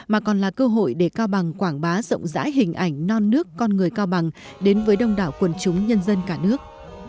mà còn là cơ hội để cao bằng quảng bá rộng rãi hình ảnh non nước con người cao bằng đến với đông đảo quần chúng nhân dân cả nước